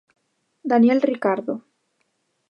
Daniel Ricardo.